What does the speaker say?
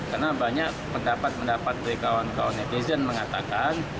karena banyak pendapat pendapat dari kawan kawan netizen mengatakan